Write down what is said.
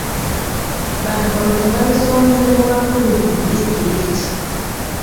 Bano olunwe balusonze mu bakulu ku disitulikiti